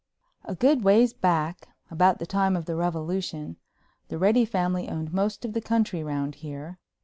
A good ways back—about the time of the Revolution—the Reddy family owned most of the country round here.